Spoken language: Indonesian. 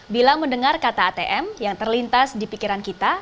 bila mendengar kata atm yang terlintas di pikiran kita